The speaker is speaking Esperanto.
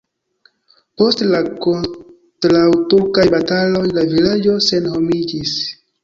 Post la kontraŭturkaj bataloj la vilaĝo senhomiĝis.